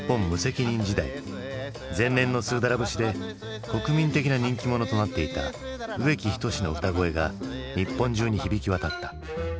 前年の「スーダラ節」で国民的な人気者となっていた植木等の歌声が日本中に響き渡った。